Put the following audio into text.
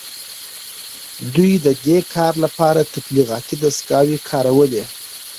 دوی د دې کار لپاره تبلیغاتي دستګاوې کاروي